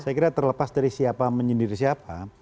saya kira terlepas dari siapa menyendiri siapa